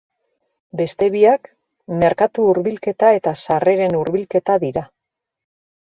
Beste biak, merkatu-hurbilketa eta sarreren hurbilketa dira.